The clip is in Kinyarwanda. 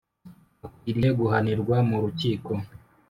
akwiriye guhanirwa mu rukiko